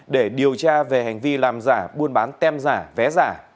để điều tra về hành vi làm giả buôn bán tem giả vé giả